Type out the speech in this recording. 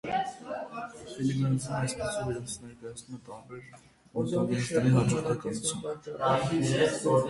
Ֆիլոգենեզն, այսպիսով, իրենից ներկայացնում է տարբեր օնտոգենեզների հաջորդականություն։